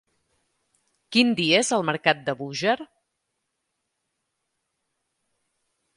Quin dia és el mercat de Búger?